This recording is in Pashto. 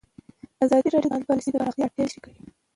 ازادي راډیو د مالي پالیسي د پراختیا اړتیاوې تشریح کړي.